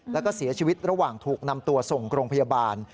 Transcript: แล้วก็เสียชีวิตระหว่างถูกนำตัวส่งโรงพยาบาล